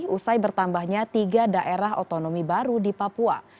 usai bertambahnya tiga daerah otonomi baru di papua